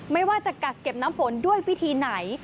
ไม่ว่าจะกักเก็บน้ำฝนด้วยวิธีไหน